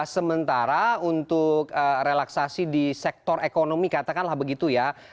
sementara untuk relaksasi di sektor ekonomi katakanlah begitu ya